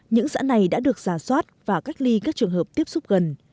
những xã này đã được giả soát và cách ly các trường hợp tiếp xúc gần